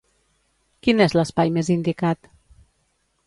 Quin és l'espai més indicat?